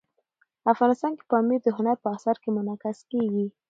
افغانستان کې پامیر د هنر په اثار کې منعکس کېږي.